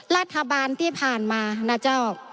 รัฐบาลที่ผ่านมานะเจ้า